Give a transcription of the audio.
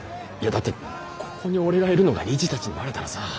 いやだってここに俺がいるのが理事たちにバレたらさ。